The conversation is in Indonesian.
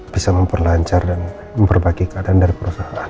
bisa memperlancar dan memperbaiki keadaan dari perusahaan